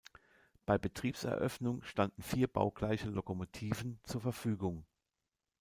Bei Betriebseröffnung standen vier baugleiche Lokomotiven zur Verfügung.